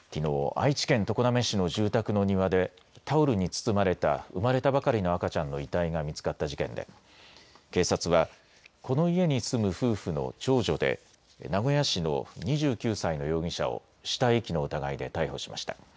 愛知県常滑市の住宅の庭でタオルに包まれた生まれたばかりの赤ちゃんの遺体が見つかった事件で警察はこの家に住む夫婦の長女で名古屋市の２９歳の容疑者を死体遺棄の疑いで逮捕しました。